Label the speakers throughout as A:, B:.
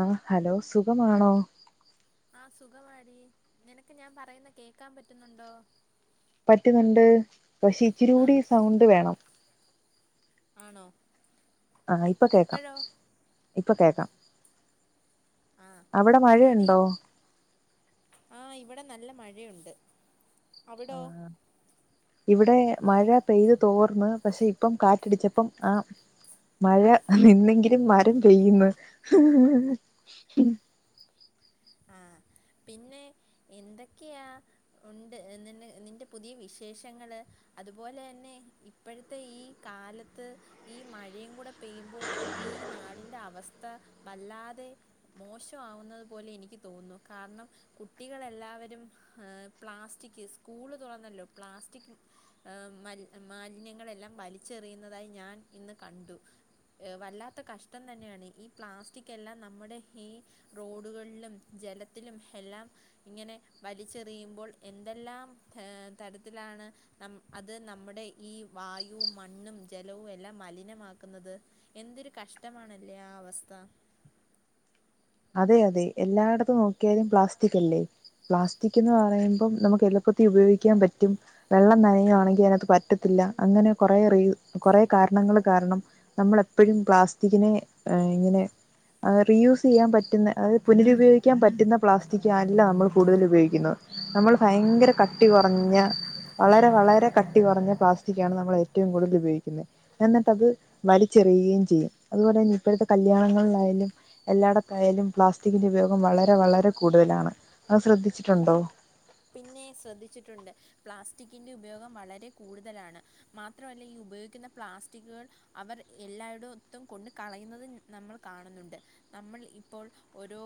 A: ആഹ് hello സുഖമാണോ?
B: ആ സുഖമാടി നിനക്ക് ഞാൻ പറയുന്ന കേൾക്കാൻ പറ്റുന്നുണ്ടോ
A: പറ്റുന്നുണ്ട് പക്ഷേ ഇച്ചിരി കൂടി
B: ആഹ്
A: സൗണ്ട് വേണം
B: ആണോ
A: ആ ഇപ്പൊ കേൾക്കാം
B: ഇപ്പഴോ
A: ഇപ്പൊ കേക്കാം
B: ആഹ്
A: അവിടെ മഴയുണ്ടോ
B: ആ ഇവിടെ നല്ല മഴയുണ്ട് അവിടോ
A: [inaudible] ഇവിടെ മഴ പെയ്തു തോർന്ന് പക്ഷെ ഇപ്പം കാറ്റടിച്ചപ്പം ആ മഴ നിന്നെങ്കിലും മരം പെയ്യുന്ന്
B: ആ പിന്നെ എന്തൊക്കെയാ ഉണ്ട് നിന്റെ പുതിയ വിശേഷങ്ങള് അതുപോലെന്നെ ഇപ്പോഴത്തെ ഈ കാലത്ത് ഈ മഴയും കൂടെ പെയ്യുമ്പോൾ ഈ നാടിന്റെ അവസ്ഥ വല്ലാതെ മോശമാവുന്നത് പോലെ എനിക്ക് തോന്നുന്നു കാരണം കുട്ടികൾ എല്ലാവരും പ്ലാസ്റ്റിക് സ്കൂള് തുറന്നല്ലോ പ്ലാസ്റ്റിക് മാലിന്യങ്ങളെല്ലാം വലിച്ചെറിയുന്നതായി ഞാൻ ഇന്ന് കണ്ടു വല്ലാത്ത കഷ്ടം തന്നെയാണ് ഈ പ്ലാസ്റ്റിക്കെല്ലാം നമ്മുടെ ഈ റോഡുകളിലും ജലത്തിലും എല്ലാം ഇങ്ങനെ വലിച്ചെറിയുമ്പോൾ എന്തെല്ലാം തരത്തിലാണ് ന അത് നമ്മുടെ ഈ വായുവും മണ്ണും ജലവും എല്ലാം മലിനമാക്കുന്നത് എന്തൊരു കഷ്ടമാണല്ലേ ആ അവസ്ഥ
A: അതെ അതെ എല്ലായിടത്തും നോക്കിയാലും പ്ലാസ്റ്റിക് അല്ലേ പ്ലാസ്റ്റിക് എന്ന് പറയുമ്പോം നമുക്ക് എളുപ്പത്തി ഉപയോഗിക്കാൻ പറ്റും വെള്ളം നനയുവാണെങ്കിൽ അതിനകത്ത് പറ്റത്തില്ല അങ്ങനെ കുറെ റീ കുറെ കാരണങ്ങൾ കാരണം നമ്മളപ്പോഴും പ്ലാസ്റ്റിക്കിനെ ഇങ്ങനെ റീ യൂസ് ചെയ്യാൻ പറ്റുന്ന അതായത് പുനരുപയോഗിക്കാൻ പറ്റുന്ന പ്ലാസ്റ്റിക് അല്ല നമ്മൾ കൂടുതൽ ഉപയോഗിക്കുന്നത് നമ്മൾ ഭയങ്കര കട്ടി കുറഞ്ഞ വളരെ വളരെ കട്ടി കുറഞ്ഞ പ്ലാസ്റ്റിക് ആണ് നമ്മൾ ഏറ്റവും കൂടുതൽ ഉപയോഗിക്കുന്നത് എന്നിട്ടത് വലിച്ചെറിയുകയും ചെയ്യും അതുപോലെ തന്നെ ഇപ്പോഴത്തെ കല്യാണങ്ങളിലായാലും എല്ലായിടത്തായാലും പ്ലാസ്റ്റിക്കിൻ്റെ ഉപയോഗം വളരെ വളരെ കൂടുതലാണ് അങ് ശ്രദ്ധിച്ചിട്ടുണ്ടോ
B: പിന്നെ ശ്രദ്ധിച്ചിട്ടുണ്ട് പ്ലാസ്റ്റിക്കിന്റെ ഉപയോഗം വളരെ കൂടുതലാണ് മാത്രമല്ല ഈ ഉപയോഗിക്കുന്ന പ്ലാസ്റ്റിക്കുകൾ അവർ എല്ലായിടത്തും കൊണ്ട് കളയുന്നുന്നത് നമ്മൾ കാണുന്നുണ്ട് നമ്മൾ ഇപ്പോൾ ഓരോ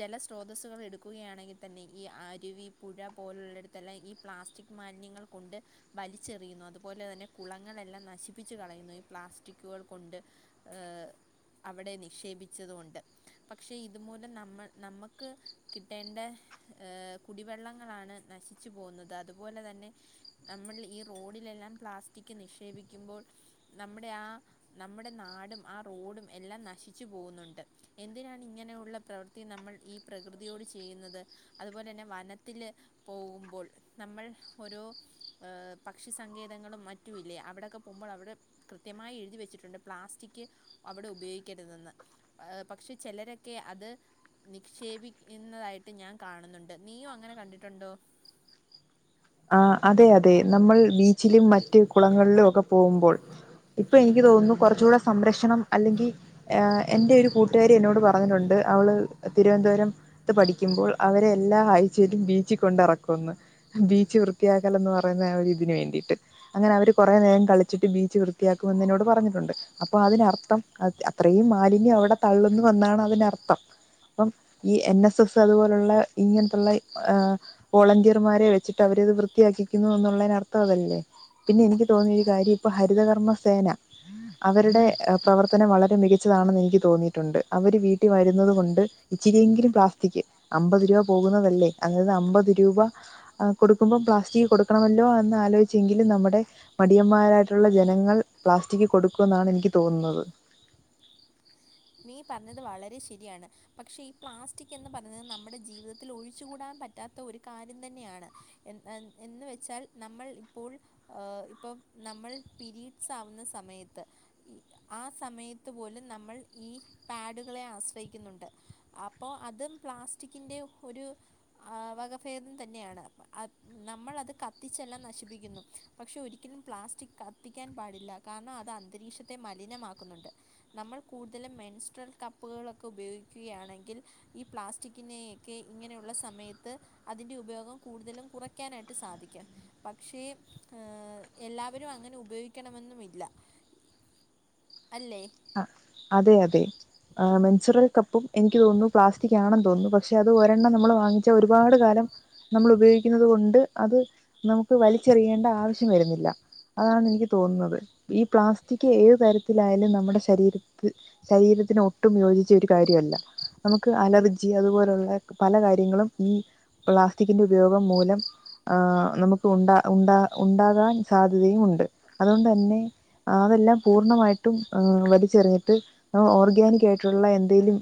B: ജലസ്രോതസ്സുകൾ എടുക്കുകയാണെങ്കിൽ തന്നെ ഈ അരുവി പുഴ പോലുള്ള ഇടത്തെല്ലാം ഈ പ്ലാസ്റ്റിക് മാലിന്യങ്ങൾ കൊണ്ട് വലിച്ചെറിയുന്നു അതുപോലെ തന്നെ കുളങ്ങളെല്ലാം നശിപ്പിച്ച് കളയുന്നു ഈ പ്ലാസ്റ്റിക്കുകൾ കൊണ്ട് ഏഹ് അവിടെ നിക്ഷേപിച്ചത് കൊണ്ട് പക്ഷെ ഇതുമൂലം നമ്മ നമ്മക്ക് കിട്ടേണ്ട ഏഹ് കുടിവെള്ളങ്ങളാണ് നശിച്ചു പോകുന്നത് അതുപോലെ തന്നെ നമ്മൾ ഈ റോഡിലെല്ലാം പ്ലാസ്റ്റിക് നിക്ഷേപിക്കുമ്പോൾ നമ്മുടെ ആഹ് നമ്മുടെ നാടും ആഹ് റോഡും എല്ലാം നശിച്ചു പോകുന്നുണ്ട് എന്തിനാണ് ഇങ്ങനെയുള്ള പ്രവർ ത്തി നമ്മൾ ഈ പ്രകൃതിയോട് ചെയ്യുന്നത് അതുപോലെന്നെ വനത്തില് പോകുമ്പോൾ നമ്മൾ ഓരോ പക്ഷിസങ്കേതങ്ങളും മറ്റുമില്ലേ അവിടെയൊക്കെ പോകുമ്പോൾ അവിടെ കൃത്യമായി എഴുതി വെച്ചിട്ടുണ്ട് പ്ലാസ്റ്റിക് അവിടെ ഉപയോഗിക്കരുതെന്ന് പക്ഷെ ചിലരൊക്കെ അത് നിക്ഷേപിക്കുന്നതായിട്ട് ഞാൻ കാണുന്നുണ്ട് നീയും അങ്ങനെ കണ്ടിട്ടുണ്ടോ
A: ആഹ് അതെ അതെ നമ്മൾ ബീച്ചിലും മറ്റ് കുളങ്ങളിലും ഒക്കെ പോകുമ്പോൾ ഇപ്പൊ എനിക്ക് തോന്നുന്നു കുറച്ചുകൂടെ സംരക്ഷണം അല്ലെങ്കിൽ എൻ്റെ ഒരു കൂ ട്ടുകാരി എന്നോട് പറഞ്ഞിട്ടുണ്ട് അവള് തിരുവനന്തപുരത്ത് പഠിക്കുമ്പോൾ അവരെ എല്ലാ ആഴ്ച ബീച്ചി കൊണ്ടെറക്കുമെന്ന് ബീച്ച് വൃത്തിയാക് എന്ന് പറയുന്ന ഇതിന് വേണ്ടിയിട്ട് അങ്ങനെ അവര് കുറെ നേരം കളിച്ചിട്ട് ബീച്ച് വൃത്തിയാക്കും എന്ന് എന്നോട് പറഞ്ഞിട്ടുണ്ട് അപ്പൊ അതിനർത്ഥം അത്രയും മാലിന്യം അവിടെ തള്ളുന്നു എന്നാണ് അതിനർത്ഥം ഇപ്പം ഈ എൻ എസ് എസ് അതുപോലുള്ള ഇങ്ങനത്തുള്ള വോളണ്ടിയർമാരെ വെച്ചി അവരത് വൃത്തിയാക്കിക്കുന്നു എന്നുള്ളതിനർത്ഥം അതല്ലേ പിന്നെ എനിക്ക് തോന്നിയ ഒരു കാര്യം ഇപ്പോ ഹരിതകർമ്മ സേന അവരുടെ പ്രവർത്തനം വളരെ മികച്ചതാണെന്ന് എനിക്ക് തോന്നിയിട്ടുണ്ട് അവര് വീട്ടിൽ വരുന്നത് കൊണ്ട് ഇച്ചിരിയെങ്കിലും പ്ലാസ്റ്റിക് അമ്പത് രൂപ പോകുന്നതല്ലേ അതായത് അമ്പത് രൂപ കൊടുക്കുമ്പം പ്ലാസ്റ്റിക് കൊടുക്കണമല്ലോ എന്ന് ആലോചിച്ചെങ്കിലും നമ്മുടെ മടിയന്മാരായിട്ടുള്ള ജനങ്ങൾ പ്ലാസ്റ്റിക്ക് കൊടുക്കു എന്നാണ് എനിക്ക് തോന്നുന്നത്.
B: നീ പറഞ്ഞത് വളരെ ശരിയാണ് പക്ഷെ ഈ പ്ലാസ്റ്റിക് എന്ന് പറയുന്നത് നമ്മുടെ ജീവിതത്തിൽ ഒഴിച്ചു കൂടാൻ പറ്റാത്ത ഒരു കാര്യം തന്നെയാണ്. എന്ന് വെച്ചാൽ നമ്മൾ ഇപ്പോൾ ഇപ്പം നമ്മൾ പിരീഡ്സ് ആവുന്ന സമയത്ത് ഈ ആഹ് സമയത്ത് പോലും നമ്മൾ ഈ പാഡുകളെ ആശ്രയിക്കുന്നുണ്ട് അപ്പോൾ അതും പ്ലാസ്റ്റിക്കിൻ്റെ ഒരു ആഹ് വകഭേദം തന്നെയാണ് നമ്മൾ അത് കത്തിച്ചെല്ലാം നശിപ്പിക്കുന്നു പക്ഷെ ഒരിക്കലും പ്ലാസ്റ്റിക് കത്തിക്കാൻ പാടില്ല കാരണം അത് അന്തരീക്ഷത്തെ മലിനമാക്കുന്നുണ്ട്. നമ്മൾ കൂടുതലും മെൻസ്ട്രൽ കപ്പുകളൊക്കെ ഉപയോഗിക്കുകയാണെങ്കിൽ ഈ പ്ലാസ്റ്റിക്കിനെ ഒക്കെ ഇങ്ങനെയുള്ള സമയത്ത് അതിൻ്റെ ഉപയോഗം കൂടുതലും കുറയ്ക്കാനായിട്ട് സാധിക്കും. പക്ഷേ എല്ലാവരും അങ്ങനെ ഉപയോഗിക്കണമെന്നുമില്ല. അല്ലേ
A: അതെ അതെ മെൻസ്വച്ചറൽ കപ്പും എനിക്ക് തോന്നുന്നു പ്ലാസ്റ്റിക് ആണെന്ന് തോന്നുന്നു പക്ഷെ അത് ഒരെണ്ണം നമ്മൾ വാങ്ങിച്ചാ ഒരുപാട് കാലം നമ്മൾ ഉപയോഗിക്കുന്നത് കൊണ്ട് അത് നമുക്ക് വലിച്ചെറിയേണ്ട ആവശ്യം വരുന്നില്ല അതാണ് എനിക്ക് തോന്നുന്നത് ഈ പ്ലാസ്റ്റിക് ഏത് തരത്തിലായാലും നമ്മുടെ ശരീരം ശരീരത്തിന് ഒട്ടും യോജിച്ച ഒരു കാര്യമല്ല. നമുക്ക് അലർജി അതുപോലുള്ള പല കാര്യങ്ങളും ഈ പ്ലാസ്റ്റിക്കിന്റെ ഉപയോഗം മൂലം ആഹ് നമുക്ക് ഉണ്ടാ ഉണ്ടാ ഉണ്ടാകാൻ സാധ്യതയും ഉണ്ട് അതുകൊണ്ട് തന്നെ അതെല്ലാം പൂർണ്ണമായിട്ടും വലിച്ചെറിഞ്ഞിട്ട് ഓർഗാനിക്ക് ആയിട്ടുള്ള എന്തെങ്കിലും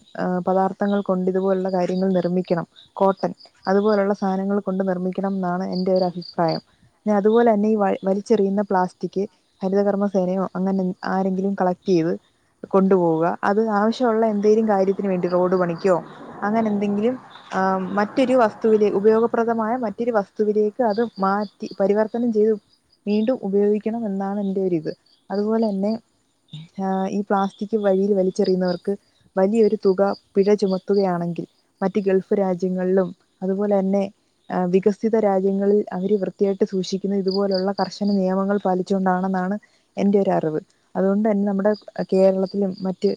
A: പദാർത്ഥങ്ങൾ കൊണ്ട് ഇതുപോലുള്ള കാര്യങ്ങൾ നിർമ്മിക്കണം. കോട്ടൺ അതുപോലുള്ള സാധനങ്ങൾ കൊണ്ട് നിർമ്മിക്കണം എന്നാണ് എന്റെ ഒരു അഭിപ്രായം. അതുപോലെ തന്നെ ഈ വ വലിച്ചെറിയുന്ന പ്ലാസ്റ്റിക്. ഹരിതകർമ്മ സേനയോ അങ്ങനെ ആരെങ്കിലും കളക്ട് ചെയ്ത് കൊണ്ടു പോവുക അത് ആവശ്യമുള്ള എന്തെങ്കലും കാര്യത്തിന് വേണ്ടി റോഡ് പണിക്കോ അങ്ങനെ എന്തെങ്കിലും, ആ മറ്റൊരു വസ്തുവിലെ ഉപയോഗപ്രദമായ മറ്റൊരു വസ്തു വസ്തുവിലേക്ക് അത് മാറ്റി പരിവർത്തനം ചെയ്തു വീണ്ടും ഉപയോഗിക്കണം എന്നാണ് എന്റെ ഒരിത് അതുപോലെ തന്നെ ഈ പ്ലാസ്റ്റിക് വഴിയിൽ വലിച്ചെറിയുന്നവർക്ക് വലിയൊരു തുക പിഴ ചുമത്തുകയാണെങ്കിൽ മറ്റ് ഗൾഫ് രാജ്യങ്ങളിലും അതുപോലെ തന്നെ. വികസിത രാജ്യങ്ങളിൽ അവര് വൃത്തിയായിട്ട് സൂക്ഷിക്കുന്നത് ഇതുപോലെയുള്ള കർശന നിയമങ്ങൾ പാലിച്ചുകൊണ്ടാണെന്നാണ്. എന്റെ ഒരു അറിവ് അതുകൊണ്ട് തന്നെ നമ്മുടെ കേരളത്തിലും മറ്റ്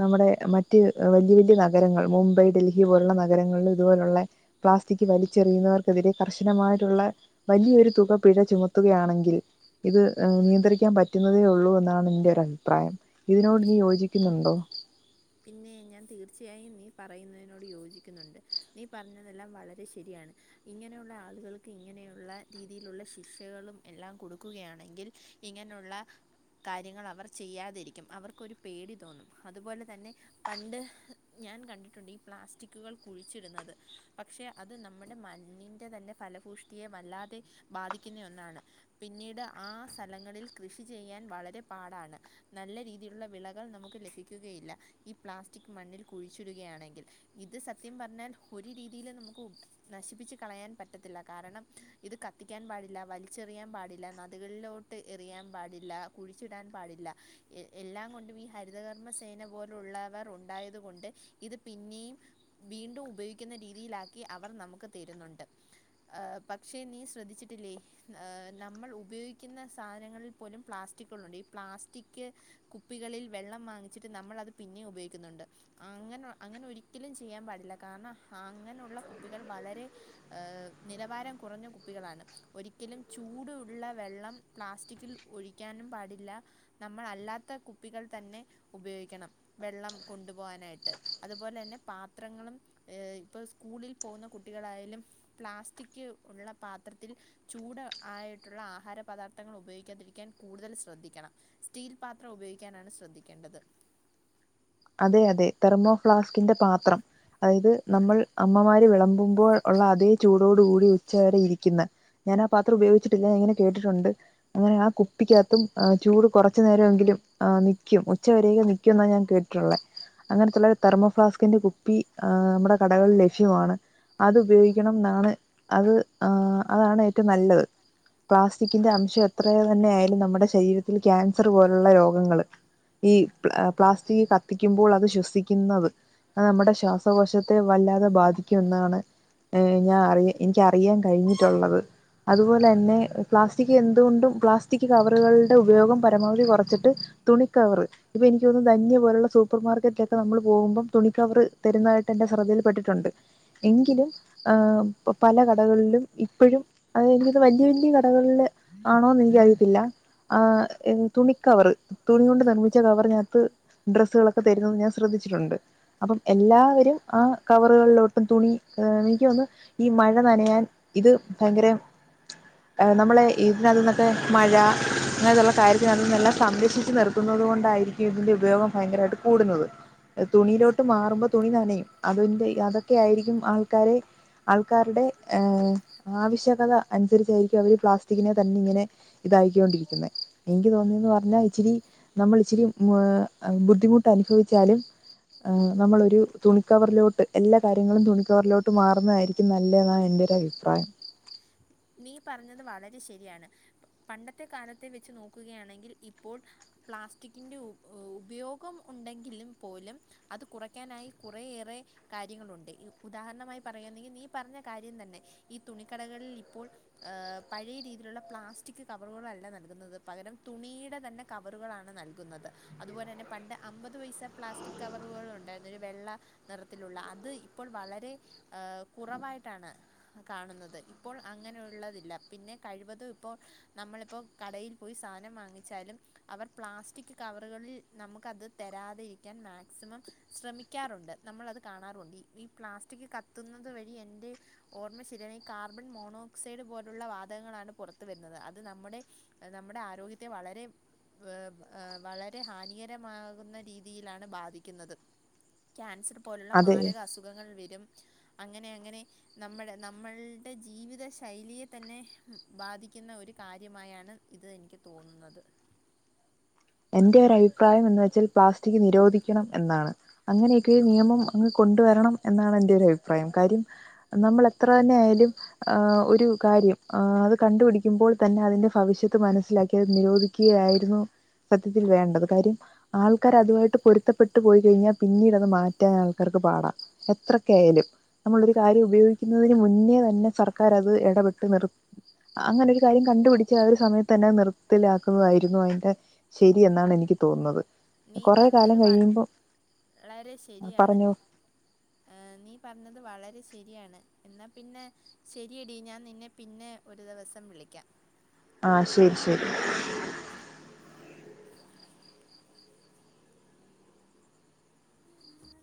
A: നമ്മുടെ മറ്റ് വലിയ വലിയ നഗരങ്ങൾ മുംബൈ ഡൽഹി പോലുള്ള നഗരങ്ങളും ഇതുപോലുള്ള പ്ലാസ്റ്റിക് വലിച്ചെറിയുന്നവർക്കെതിരെ കർശനമായിട്ടുള്ള വലിയൊരു തുക പിഴ ചുമത്തുകയാണെങ്കിൽ ഇത് നിയന്ത്രിക്കാൻ പറ്റുന്നതേ ഉള്ളൂ എന്നാണ് എൻന്റെ ഒരു അഭിപ്രായം. ഇതിനോട് നീ യോജിക്കുന്നുണ്ടോ?
B: പിന്നെ ഞാൻ തീർച്ചയായും നീ പറയുന്നതിനോട് യോജിക്കുന്നുണ്ട്, നീ പറഞ്ഞതെല്ലാം വളരെ ശരിയാണ്. ഇങ്ങനെയുള്ള ആളുകൾക്ക് ഇങ്ങനെയുള്ള രീതിയിലുള്ള ശിക്ഷകളും എല്ലാം കൊടുക്കുകയാണെങ്കിൽ ഇങ്ങനെയുള്ള കാര്യങ്ങളവർ ചെയ്യാതിരിക്കും അവർക്കൊരു പേടി തോന്നും അതുപോലെ തന്നെ പണ്ട് ഞാൻ കണ്ടിട്ടുണ്ട് ഈ പ്ലാസ്റ്റിക്കുകൾ കുഴിച്ചിടുന്നത് പക്ഷെ അത് നമ്മുടെ മണ്ണിന്റെ തന്നെ ഫലപൂഷ്ടിയെ വല്ലാതെ ബാധിക്കുന്ന ഒന്നാണ് പിന്നീട് ആ സ്ഥലങ്ങളിൽ കൃഷി ചെയ്യാൻ വളരെ പാടാണ് നല്ല രീതിയിലുള്ള വിളകൾ നമുക്ക് ലഭിക്കുകയില്ല ഈ പ്ലാസ്റ്റിക് മണ്ണിൽ കുഴിച്ചിടുകയാണെങ്കിൽ ഇത് സത്യം പറഞ്ഞാൽ ഒരു രീതിയിലും നമുക്ക് നശിപ്പിച്ച് കളയാൻ പറ്റത്തില്ല കാരണം ഇത് കത്തിക്കാൻ പാടില്ല വലിച്ചെറിയാൻ പാടില്ല നദികളിലോട്ട് ട്ട് എറിയാൻ പാടില്ല കുഴിച്ചിടാൻ പാടില്ല എല്ലാം കൊണ്ടും ഈ ഹരിതകർമ്മ സേന പോല ലുള്ളവർ ഉണ്ടായതുകൊണ്ട് ഇത് പിന്നീയും വീണ്ടും ഉപയോഗിക്കുന്ന രീതിയിലാക്കി അവർ നമുക്ക് തരുന്നുണ്ട് ആഹ് പക്ഷേ നീ ശ്രദ്ധിച്ചിട്ടില്ലേ ഏർ നമ്മൾ ഉപയോഗിക്കുന്ന സാധനങ്ങളിൽ പോലും പ്ലാസ്റ്റിക്കുണ്ട് ഈ പ്ലാസ്റ്റിക് കുപ്പികളിൽ വെള്ളം വാങ്ങിച്ചിട്ട് നമ്മൾ അത് പിന്നെയും ഉപയോഗിക്കുന്നുണ്ട് അങ്ങന അങ്ങനൊരിക്കലും ചെയ്യാൻ പാടില്ല കാരണം അങ്ങനുള്ള കുപ്പികൾ വളരെ ഏർ നിലവാരം കുറഞ്ഞ കുപ്പികളാണ് ഒരിക്കലും ചൂടുള്ള വെള്ളം പ്ലാസ്റ്റിക്കിൽ ഒഴിക്കാനും പാടില്ല നമ്മളല്ലാത്ത കുപ്പികൾ തന്നെ ഉപയോഗിക്കണം വെള്ളം കൊണ്ടുപോകാനായിട്ട് അതുപോലെ തന്നെ പാത്രങ്ങളും ഏർ ഇപ്പോൾ സ്കൂളിൽ പോകുന്ന കുട്ടികളായാലും പ്ലാസ്റ്റിക്ക് ഉള്ള പാത്രത്തിൽ ചൂട് ആയിട്ടുള്ള ആഹാര പദാർത്ഥങ്ങൾ ഉപയോഗിക്കാതിരിക്കാൻ കൂടുതൽ ശ്രദ്ധിക്കണം സ്റ്റീൽ പാത്രം ഉപയോഗിക്കാനാണ് ശ്രദ്ധിക്കണ്ടത്
A: അതെ അതെ തെർമോഫ്ലാസ്കിന്റെ പാത്രം അതായത് നമ്മൾ അമ്മമാര് വിളമ്പുമ്പോൾ ഉള്ള അതേ ചൂടോട കൂടി ഉച്ചവരെ ഇരിക്കുന്ന ഞാനാ പാത്രം ഉപയോഗിച്ചിട്ടില്ല ഞാഇങ്ങനെ കേട്ടിട്ടുണ്ട് അങ്ങനെ ആ കുപ്പിക്കകത്തും ചൂട് കുറച്ചു നേരമെങ്കിലും നിക്കും ഉച്ച വരെയൊക്കെ നിക്കും എന്നാ ഞാൻ കേട്ട ട്ടുള്ളെ അങ്ങനത്തുള്ളവര് തെർമോഫ്ലാസ്കിന്റെ കുപ്പി ആഹ് നമ്മുടെ കടകളിൽ ലഭ്യമാണ് അതുപയോഗിക്കണംന്നാണ് അത് ആഹ് അതാണ് ഏറ്റവും നല്ലത് പ്ലാസ്റ്റിക്കിന്റെ അംശം എത്രയ തന്നെ ആയാലും നമ്മുടെ ശരീരത്തിൽ ക്യാൻസർ പോലുള്ള രോഗങ്ങള് ഈ പ്ല പ്ലാസ്റ്റിക് ക ത്തിക്കുമ്പോൾ അത് ശ്വസിക്കുന്നത് അത് നമ്മുടെ ശ്വാസകോശത്തെ വല്ലാതെ ബാധിക്കും എന്നാണ് ഏ ഞാൻ അറിയ എനിക്കറിയാൻ കഴിഞ്ഞിട്ടുള്ളത് അതുപോലെ തന്നെ പ്ലാസ്റ്റിക് എന്തുകൊണ്ടും പ്ലാസ്റ്റിക് കവറുകളുടെ ഉപയോഗം പരമാവധി കുറച്ചിട്ട് തുണിക്കവറ് ഇപ്പൊ എനിക്ക് തോന്നുന്നു ധന്യ പോലുള്ള സൂപ്പർ മാർക്കറ്റിലൊക്കെ നമ്മള് പോവുമ്പം തുണിക്കവറ് തരുന്നതായിട്ട് എന്റെ ശ്രദ്ധയിൽപ്പെട്ടിട്ടുണ്ട് എങ്കിലും ആഹ് പല കടകളിലും ഇപ്പഴും അതായത് വല്യ വല്യ കടകളിലെ ആണോന്ന് എനിക്കറിയത്തില്ല ആ തുണിക്കവറ് തുണികൊണ്ട് നിർമ്മിച്ച കവറിനകത്ത് ഡ്രസ്സുകളൊക്കെ തരുന്നത് ഞാൻ ശ്രദ്ധിച്ചിട്ടുണ്ട് അപ്പം എല്ലാവരും ആ കവറുകളിലോട്ടും തുണി എനിക്ക് തോന്നുന്ന് ഈ മഴ നനയാൻ ഇത് ഭയങ്കര നമ്മള് ഇതിനകത്തൊന്നൊക്കെ മഴ അങ്ങനെത്തെയുള്ള കാര്യത്തിനകത്തെന്നെല്ലാം സംരക്ഷിച്ച് നിർ ത്തുന്നത് കൊണ്ടായിരിക്കും ഇതിന്റെ ഉപയോഗം ഭയങ്കരമായിട്ട് കൂടുന്നത് തുണിയിലോട്ട് മാറുമ്പോ തുണി നനയും അതിന്റെ അതൊക്കെ ആയിരിക്കും ആൾക്കാരെ ആൾക്കാരുടെ ഏ ആവശ്യകത അനുസരിച്ചായിരിക്കും അവര് പ്ലാസ്റ്റിക്കിനെ തന്നെ ഇങ്ങനെ ഇതായിക്കൊണ്ടിരിക്കുന്നേ എനിക്ക് തോന്നിയതെന്ന് പറഞ്ഞാൽ ഇച്ചിരി നമ്മള് ഇച്ചിരി ബുദ്ധിമുട്ട് അനുഭവിച്ചാലും ആഹ് നമ്മളൊരു തുണിക്കവറിലോട്ട് എല്ലാ കാര്യങ്ങളും തുണിക്കവറിലോട്ട് മാറുന്നതായിരി ക്കും നല്ലതെന്നാണ് എൻ്റെ ഒരഭിപ്രായം
B: നീ പറഞ്ഞത് വളരെ ശരിയാണ് പണ്ടത്തെ കാലത്തെ വെച്ച് നോക്കുകയാണെങ്കിൽ ഇപ്പോൾ പ്ലാസ്റ്റിക്കിൻ്റെ ഉ ഉപയോഗം ഉണ്ടെങ്കിലും പോലും അത് കുറയ്ക്കാനായി കുറേയേറെ കാര്യങ്ങളുണ്ട് ഉദാഹരണമായി പറയാ നീ നീ പറഞ്ഞ കാര്യം തന്നെ ഈ തുണിക്കടകളിൽ ഇ പ്പോൾ പഴയ രീതിയിലുള്ള പ്ലാസ്റ്റിക് കവറുകളല്ല നൽകുന്നത് പകരം തുണിയുടെ തന്നെ കവറുകളാണ് നൽകുന്നത് അതുപോലെ തന്നെ പണ്ട് അമ്പത് പൈസ പ്ലാസ്റ്റിക് കവറുകൾ ഉണ്ടായിരുന്നു ഒരു വെള്ള നിറത്തിലുള്ള അത് ഇപ്പോൾ വളരെ കുറവായിട്ടാണ് കാണുന്നത് ഇപ്പോൾ അങ്ങനെയുള്ളതില്ല പിന്നെ കഴിവതും ഇപ്പോൾ നമ്മളിപ്പോൾ കടയിൽ പോയി സാധനം വാങ്ങിച്ചാലും അവർ പ്ലാസ്റ്റിക്ക് കവറുകളിൽ നമുക്ക് അത് തരാതിരിക്കാൻ മാക്സിമം ശ്രമിക്കാറുണ്ട് നമ്മൾ അത് കാണാറുവുണ്ട് ഈ പ്ലാസ്റ്റിക് കത്തുന്നത് വഴി എന്റെ ഓർമ്മ ശരിയാണെങ്കിൽ കാ കാർബൺ മോണോക്സൈഡ് പോലുള്ള വാതകങ്ങളാണ് പുറത്തു വരുന്നത് അത് നമ്മുടെ നമ്മുടെ ആരോഗ്യത്തെ വളരെ ഏ വളരെ ഹാനികരമാകുന്ന രീതിയിലാണ് ബാധിക്കുന്നത്. ക്യാൻസർ പോലുള്ള
A: അതെ
B: മാരക അസുഖങ്ങൾ വരും അങ്ങനെ അങ്ങനെ നമ്മുടെ നമ്മളു ടെ ജീവിത ശൈലിയെ തന്നെ ബാധിക്കുന്ന ഒരു കാര്യമായാണ് ഇത് എനിക്ക് തോന്നുന്നത്
A: എന്റെ ഒരഭിപ്രായം എന്ന് വെച്ചാൽ പ്ലാസ്റ്റിക് നിരോധിക്കണം എന്നാണ്. അങ്ങനെയൊക്കെ ഒരു നിയമം അങ്ങ് കൊണ്ടുവരണം എന്നാണ് എന്റെ ഒരു അഭിപ്രായം കാര്യം നമ്മള് എത്ര തന്നെ ആയാലും ആഹ് ഒരു കാര്യം ആ അത് കണ്ടുപിടിക്കുമ്പോൾ തന്നെ അതിന്റെ ഭവിഷ്യത്ത് മനസ്സിലാക്കി അത് നിരോധി ക്കയായിരുന്നു സത്യത്തിൽ വേണ്ടത് കാര്യം ആൾക്കാര് അതുമായിട്ട് പൊരുത്തപ്പെട്ട് പോയി കഴിഞ്ഞാൽ പിന്നീട് അത് മാറ്റാൻ ആൾക്കാർക്ക് പാടാ എത്രക്കയാലും നമ്മളൊരു കാര്യം ഉപയോഗി ക്കുന്നതിന് മുന്നേ തന്നെ സർക്കാർ അത് ഇടപെട്ട് നിർ അങ്ങനെ ഒരു കാര്യം കണ്ടുപിടിച്ച ആ ഒരു സമയത്ത് തന്നെ നിർത്തലാക്കുന്നതായിരുന്നു അതിന്റെ ശരി എന്നാണ് എനിക്ക് തോന്നുന്നത്
B: നീ
A: കൊറെ കാലം
B: പറഞ്ഞത്
A: കഴിയുമ്പോ
B: വളരെ ശരിയാണ്.
A: പറഞ്ഞോ
B: ഏ നീ പറഞ്ഞത് വളരെ ശരിയാണ് എന്നാൽ പിന്നെ ശരിയെടി ഞാൻ നിന്നെ പിന്നെ ഒരു ദിവസം വിളിക്കാം.
A: ആഹ് ശരി ശരി
B: ശരി ഉ